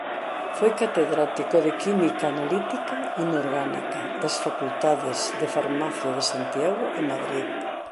Foi catedrático de Química Analítica Inorgánica das Facultades de Farmacia de Santiago e Madrid.